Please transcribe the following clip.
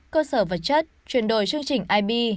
cơ sở vật chất chuyển đổi chương trình ib